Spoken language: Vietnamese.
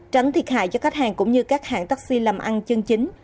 tránh thiệt hại cho khách hàng cũng như các hãng taxi làm ăn chân chính